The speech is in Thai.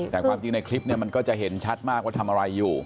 แต่ความจริงในคลิปเนี่ยมันก็จะเห็นชัดมากว่าทำอะไรอยู่